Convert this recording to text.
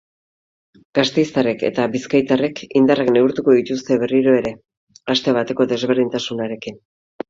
Gasteiztarrek eta bizkaitarrek indarrak neurtuko dituzte berriro ere, aste bateko desberdintasunarekin.